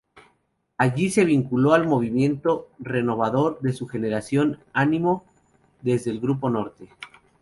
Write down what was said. Allí se vinculó al movimiento renovador que su generación animó, desde el Grupo Norte.